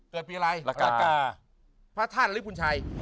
เกิดปีอะไรรากาพระท่านฤทธิ์พุทธชัย